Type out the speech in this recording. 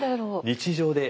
日常で。